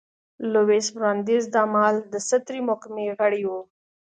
لویس براندیز دا مهال د سترې محکمې غړی و.